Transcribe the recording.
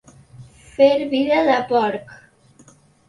Fer vida de porc.